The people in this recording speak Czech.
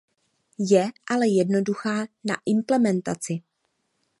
Je ale jednoduchá na implementaci.